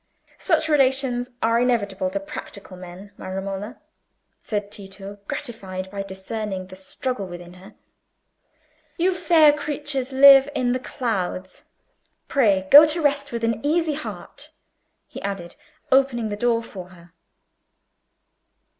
"Such relations are inevitable to practical men, my Romola," said Tito, gratified by discerning the struggle within her. "You fair creatures live in the clouds. Pray go to rest with an easy heart," he added, opening the door for her.